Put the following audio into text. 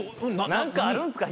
何かあるんすか？